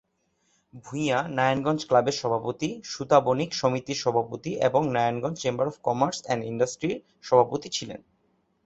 ভূঁইয়া নারায়ণগঞ্জ ক্লাবের সাবেক সভাপতি, সুতা বণিক সমিতির সভাপতি এবং Narayanganj chamber of commerce and ইন্ডাস্ট্রির সভাপতি ছিলেন।